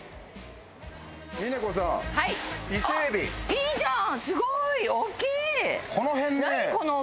いいじゃん！